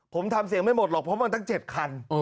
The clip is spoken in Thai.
ผมทำเสียงไม่หมดเพราะจะมาถึง๗คัน